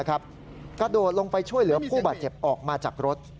กระโดดลงไปช่วยเหลือผู้บาดเจ็บออกมาจากรถ